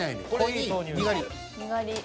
にがり。